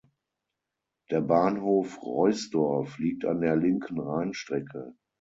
Der Bahnhof "Roisdorf" liegt an der linken Rheinstrecke.